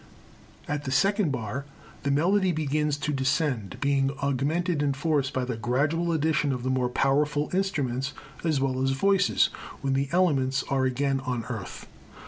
At the second bar the melody begins to descend, being augmented in force by the gradual addition of the more powerful instruments as well as voices when the elements are again on earth.